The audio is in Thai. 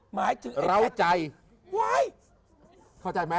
หมายถึงเราใจเข้าใจมั้ย